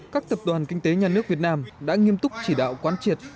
các tập đoàn kinh tế nhà nước việt nam đã nghiêm túc chỉ đạo quán triệt